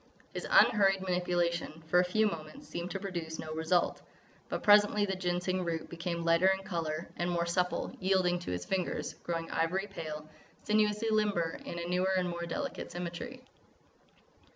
His unhurried manipulation, for a few moments, seemed to produce no result. But presently the Ginseng root became lighter in colour and more supple, yielding to his fingers, growing ivory pale, sinuously limber in a newer and more delicate symmetry.